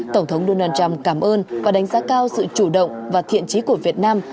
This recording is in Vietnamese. tổng thống donald trump cảm ơn và đánh giá cao sự chủ động và thiện trí của việt nam